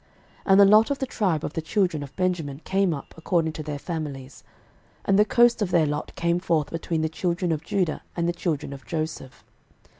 06:018:011 And the lot of the tribe of the children of Benjamin came up according to their families: and the coast of their lot came forth between the children of Judah and the children of Joseph.